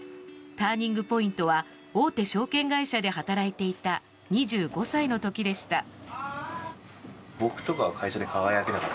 ターニングポイントは大手証券会社で働いていた２５歳の時でした。